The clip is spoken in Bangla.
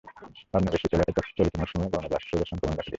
পাবনার বেশ কিছু এলাকায় চলতি মৌসুমে গমে ব্লাস্ট রোগের সংক্রমণ দেখা দিয়েছে।